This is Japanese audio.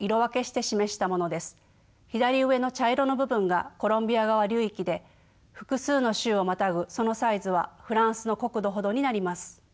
左上の茶色の部分がコロンビア川流域で複数の州をまたぐそのサイズはフランスの国土ほどになります。